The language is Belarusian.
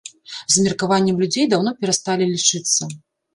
З меркаваннем людзей даўно перасталі лічыцца.